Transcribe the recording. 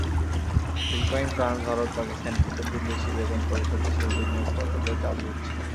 Philippine, France, Bharat, পাকিস্তান—প্রতিটি দেশই বেতন পরিশোধে সৌদি নিয়োগকর্তাদের চাপ দিচ্ছে।